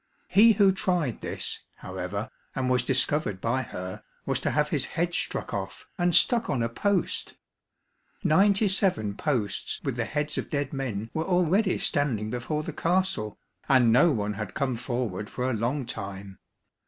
He who tried this, however, and was discovered by her, was to have his head struck off, and stuck on a post. Ninety seven posts with the heads of dead men were already standing before the castle, and no one had come forward for a long time.